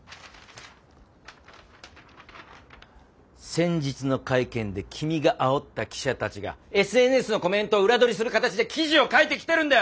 先日の会見で君があおった記者たちがＳＮＳのコメントを裏取りする形で記事を書いてきているんだよ。